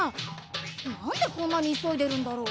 なんでこんなにいそいでるんだろう？